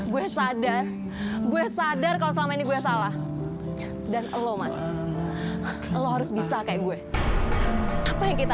gue sadar gue sadar kalau selama ini gue salah dan lo mas lo harus bisa kayak gue apa yang kita